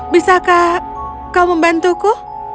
bisakah kau membantuku